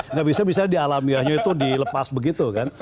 nggak bisa bisa di alamiahnya itu dilepas begitu kan